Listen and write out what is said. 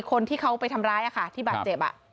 คนที่เขาไปทำร้ายที่บาดเจ็บ